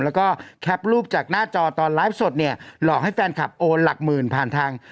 แล้วก็แคปรูปจากหน้าจอตอนไลฟ์สดเนี่ยหลอกให้แฟนคลับโอนหลักหมื่นผ่านทาง